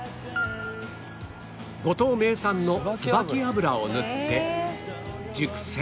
五島名産の椿油を塗って熟成